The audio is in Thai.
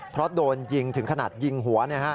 เพราะโดนยิงถึงขนาดยิงหัว